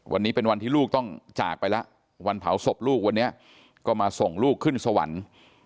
วันนี้เป็นวันที่ลูกต้องจากไปแล้ววันเผาศพลูกวันนี้ก็มาส่งลูกขึ้นสวรรค์